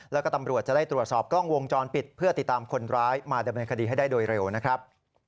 แล้วก็ตำรวจจะได้ตรวจสอบกล้องวงจรปิดเพื่อติดตามคนร้ายมาดำเนินคดีให้ได้โดยเร็วนะครับ